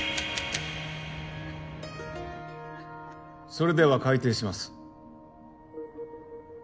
それでは開廷します。